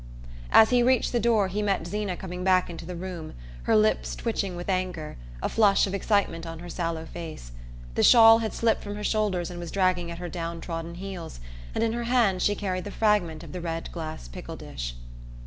As he reached the door he met Zeena coming back into the room, her lips twitching with anger, a flush of excitement on her sallow face. The shawl had slipped from her shoulders and was dragging at her down trodden heels, and in her hands she carried the fragments of the red glass pickle dish.